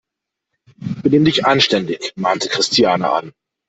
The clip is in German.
Benimm dich anständig!, mahnte Christiane an.